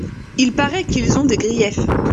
Il paraît qu’ils ont des griefs.